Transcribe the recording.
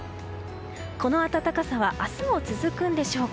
この暖かさは明日も続くんでしょうか。